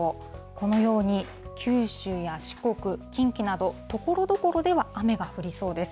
このように九州や四国、近畿など、ところどころでは雨が降りそうです。